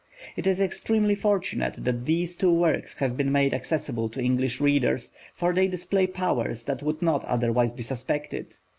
It is extremely fortunate that these two works have been made accessible to English readers, for they display powers that would not otherwise be suspected.